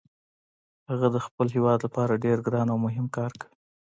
هغه د خپل هیواد لپاره ډیر ګران او مهم کار کوي